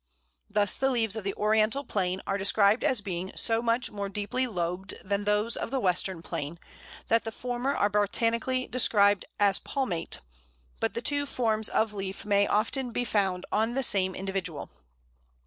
Thus the leaves of the Oriental Plane are described as being so much more deeply lobed than those of the Western Plane that the former are botanically described as palmate; but the two forms of leaf may often be found on the same individual.